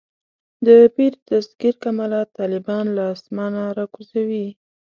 د پیر دستګیر کمالات طالبان له اسمانه راکوزوي.